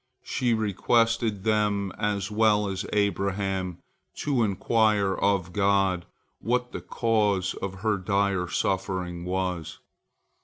She requested them as well as Abraham to inquire of God what the cause of her dire suffering was.